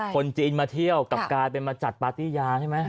คนจีนมาเที่ยวกลับกลายเป็นมาจัดปาร์ตี้ยาใช่ไหม